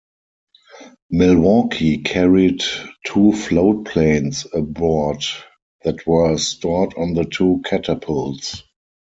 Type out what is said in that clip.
"Milwaukee" carried two floatplanes aboard that were stored on the two catapults.